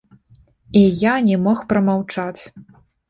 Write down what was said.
І я не мог прамаўчаць.